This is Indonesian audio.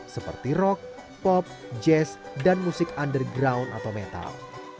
seperti rock pop jazz dan musik underground atau metal